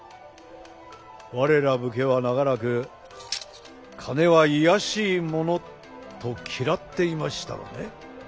我ら武家は長らく「金は卑しいもの」と嫌っていましたがね